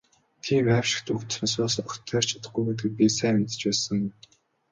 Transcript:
Тийм «аймшигт» үг сонсохоос огт тойрч чадахгүй гэдгийг би сайн мэдэж байсан юм.